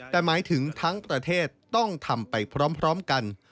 แต่หมายถึงทั้งประเทศต้องทำไปพร้อมกัน